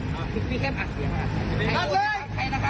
มึงพูด